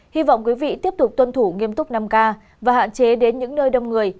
hy vọng quý vị tiếp tục tuân thủ nghiêm túc năm k và hạn chế đến những nơi đông người